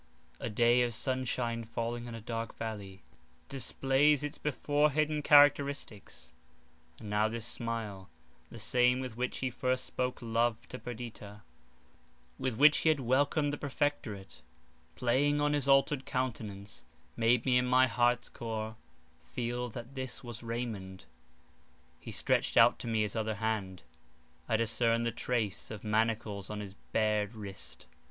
A day of sun shine falling on a dark valley, displays its before hidden characteristics; and now this smile, the same with which he first spoke love to Perdita, with which he had welcomed the protectorate, playing on his altered countenance, made me in my heart's core feel that this was Raymond. He stretched out to me his other hand; I discerned the trace of manacles on his bared wrist.